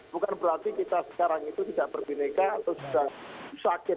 bukan berarti kita sekarang itu tidak berbineka atau sudah sakit